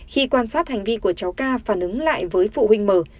khi quan sát hành vi của cháu ca phản ứng lại với phụ huynh mở